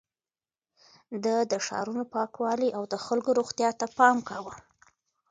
ده د ښارونو پاکوالي او د خلکو روغتيا ته پام کاوه.